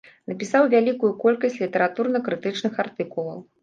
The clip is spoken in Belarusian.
Напісаў вялікую колькасць літаратурна-крытычных артыкулаў.